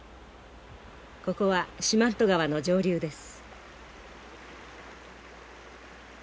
ここは四万十川の上流です。